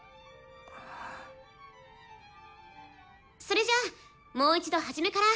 それじゃあもう一度はじめから。